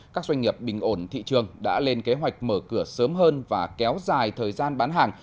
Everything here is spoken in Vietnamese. các doanh nghiệp bình ổn thị trường đã lên kế hoạch mở cửa sớm hơn và kéo dài thời gian bán hàng